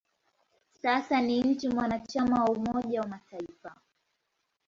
Sasa ni nchi mwanachama wa Umoja wa Mataifa.